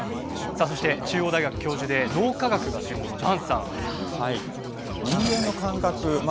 そして中央大学教授で脳科学が専門の檀さん。